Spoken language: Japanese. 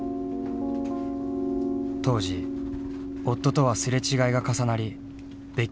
当時夫とは擦れ違いが重なり別居状態だった。